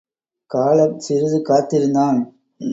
காலம் சிறிது காத்திருந்தான்.